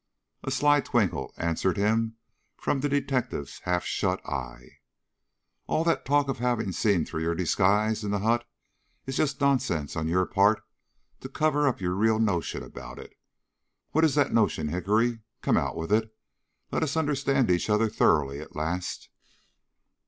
A sly twinkle answered him from the detective's half shut eye. "All that talk of having seen through your disguise in the hut is just nonsense on your part to cover up your real notion about it. What is that notion, Hickory? Come, out with it; let us understand each other thoroughly at last."